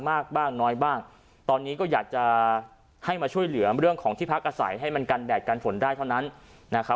มากบ้างน้อยบ้างตอนนี้ก็อยากจะให้มาช่วยเหลือเรื่องของที่พักอาศัยให้มันกันแดดกันฝนได้เท่านั้นนะครับ